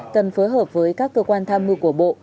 cần phối hợp với các cơ quan tham mưu của bộ